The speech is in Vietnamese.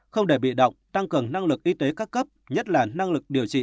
không để bị động tăng cường năng lực y tế các cấp nhất là năng lực điều trị